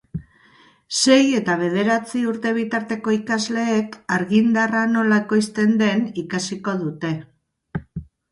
Sei eta bederatzi urte bitarteko ikasleek argindarra nola ekoizten den ikasiko dute.